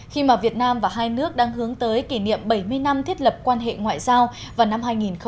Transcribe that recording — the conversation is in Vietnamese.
khi mà việt nam và hai nước đang hướng tới kỷ niệm bảy mươi năm thiết lập quan hệ ngoại giao vào năm hai nghìn hai mươi